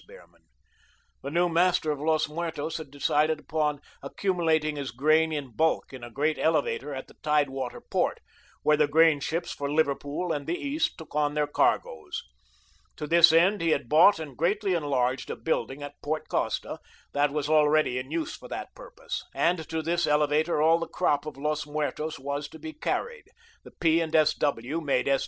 Behrman. The new master of Los Muertos had decided upon accumulating his grain in bulk in a great elevator at the tide water port, where the grain ships for Liverpool and the East took on their cargoes. To this end, he had bought and greatly enlarged a building at Port Costa, that was already in use for that purpose, and to this elevator all the crop of Los Muertos was to be carried. The P. and S. W. made S.